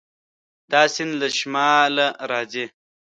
دا سیند له شماله راځي.